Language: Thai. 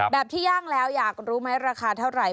ที่ย่างแล้วอยากรู้ไหมราคาเท่าไหร่